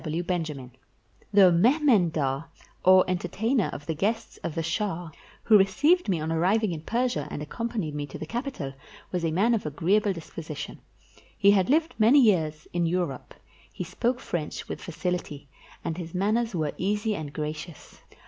G. W. BENJAMIN The mehmendar, or entertainer of the guests of the shah, who received me on arriving in Persia, and accom panied me to the capital, was a man of agreeable dis position. He had lived many years in Europe; he spoke French with facility, and his manners were easy and gracious.